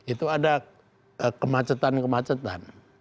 itu ada kemacetan kemacetan